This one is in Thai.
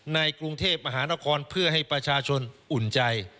ในกรุงเทพมหานครเพื่อให้ประชาชนอุ่นใจ